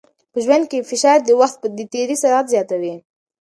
په ژوند کې فشار د وخت د تېري سرعت زیاتوي.